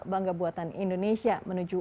bangga buatan indonesia menuju